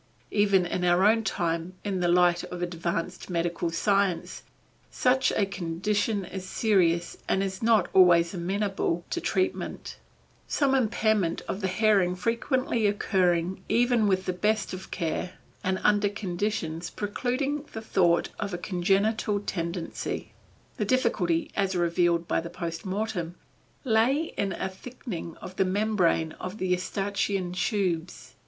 Even in our own time, in the light of advanced medical science, such a condition is serious and is not always amenable to treatment, some impairment of the hearing frequently occurring even with the best of care and under conditions precluding the thought of a congenital tendency. The difficulty as revealed by the post mortem, lay in a thickening of the membrane of the Eustachian tubes.